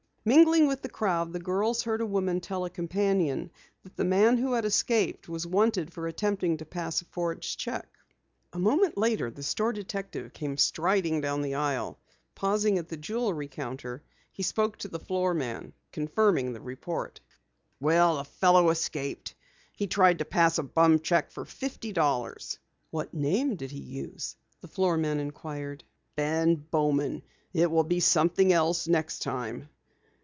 Mingling with the crowd, the girls heard a woman tell a companion that the man who had escaped was wanted for attempting to pass a forged cheque. A moment later, the store detective came striding down the aisle. Pausing at the jewelry counter he spoke to the floorman, confirming the report. "Well, the fellow escaped! He tried to pass a bum cheque for fifty dollars." "What name did he use?" the floorman inquired. "Ben Bowman. It will be something else next time."